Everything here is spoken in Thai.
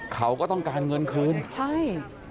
เขาก็ต้องการเงินคืนใช่